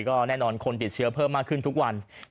ก็แน่นอนคนติดเชื้อเพิ่มมากขึ้นทุกวัน